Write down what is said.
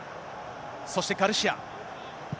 そしてガルシア。